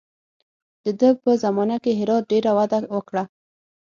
د ده په زمانه کې هرات ډېره وده وکړه.